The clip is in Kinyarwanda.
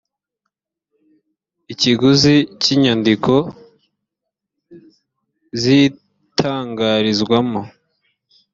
ikiguzi cy inyandiko ziyitangarizwamo